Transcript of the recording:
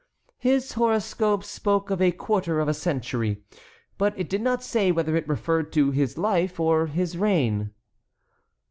"His horoscope spoke of a quarter of a century; but it did not say whether it referred to his life or his reign."